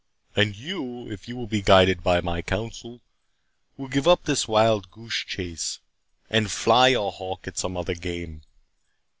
And you, if you will be guided by my counsel, will give up this wild goose chase, and fly your hawk at some other game.